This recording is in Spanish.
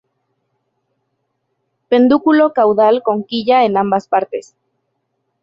Pedúnculo caudal con quilla en ambas partes.